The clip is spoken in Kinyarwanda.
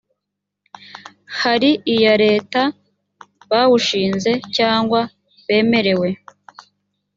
hari iya leta bawushinze cyangwa bemerewe